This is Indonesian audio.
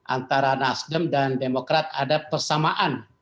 antara nasdem dan demokrat ada persamaan